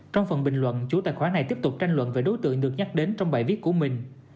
trong phần bình luận chủ tài khoản này tiếp tục tranh luận về đối tượng được nhắc đến trong bài viết của mình